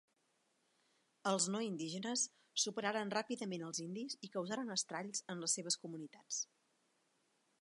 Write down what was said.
Els no-indígenes superaren ràpidament els indis i causaren estralls en les seves comunitats.